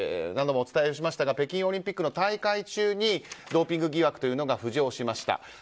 何度もお伝えしましたが北京オリンピックの大会中にドーピング疑惑というのが浮上しました。